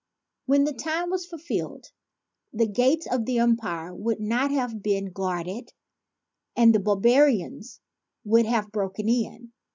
When the time was fulfilled, the gates of the empire would not have been guarded and the barbarians would have broken in.